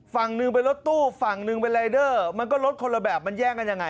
ฝั่งหนึ่งเป็นรถตู้ฝั่งหนึ่งเป็นรายเดอร์มันก็รถคนละแบบมันแย่งกันยังไง